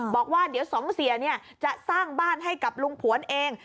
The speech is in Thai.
บอกว่าเดี๋ยวสองเสียจะสร้างบ้านให้กับลุงผวนเอง